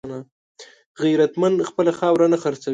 غیرتمند خپله خاوره نه خرڅوي